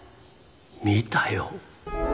見たよ。